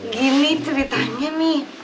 gini ceritanya nih